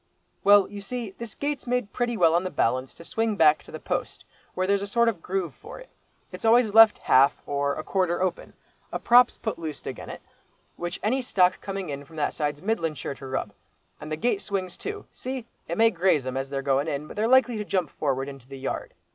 "Well, you see, this gate's made pretty well on the balance to swing back to the post, where there's a sort of groove for it. It's always left half, or a quarter open. A prop's put loose agen it, which any stock coming in from that side's middlin' sure to rub, and the gate swings to. See? It may graze 'em, as they're going in, but they're likely to jump forward, into the yard.